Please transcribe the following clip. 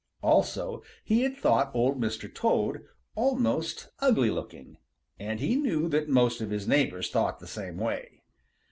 Also he had thought Old Mr. Toad almost ugly looking, and he knew that most of his neighbors thought the same way.